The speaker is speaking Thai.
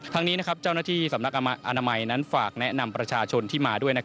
ทั้งนี้เจ้าหน้าที่สำนักอนามัยนั้นฝากแนะนำประชาชนที่มาด้วย